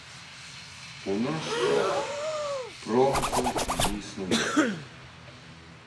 У наш час промысел не існуе.